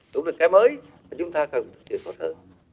đúng là cái mới mà chúng ta cần thực hiện khóa thơ